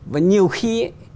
và nhiều khi